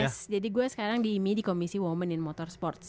yes jadi gue sekarang di imi di komisi women in motorsport